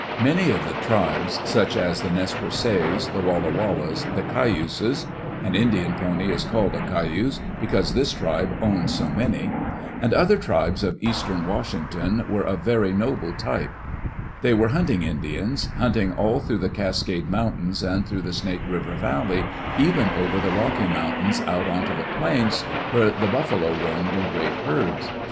Many of the tribes, such as the Nez Perces, the Walla Wallas, the Cayuses — an Indian pony is called a "cayuse" because this tribe owned so many — and other tribes of eastern Washington, were of very noble type. They were hunting Indians, hunting all through the Cas cade mountains, and through the Snake river valley, even over the Rocky mountains out onto the plains where the [^33] Digitized by VjOOQ IC EARLY DAYS IN OLD OREGON buffalo roamed in great herds.